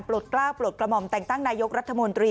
กล้าวปลดกระหม่อมแต่งตั้งนายกรัฐมนตรี